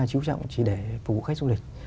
chú trọng chỉ để phục vụ khách du lịch